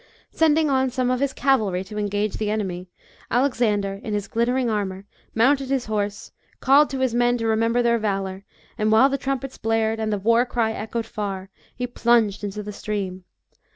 Sending on some of his cavalry to engage the enemy, Alexander, in his glittering armour, mounted his horse, called to his men to remember their valour, and while the trumpets blared, and the war cry echoed far, he plunged into the stream.